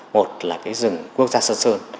một là rừng quốc gia sơn sơn